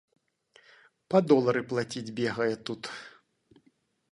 Па долары плаціць, бегае тут.